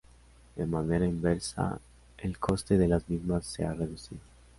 De manera inversa, el coste de las mismas se ha reducido.